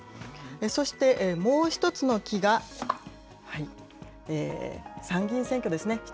そしてもう１つの岐が、参議院選挙ですね。